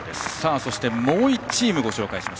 そして、もう１チームご紹介します。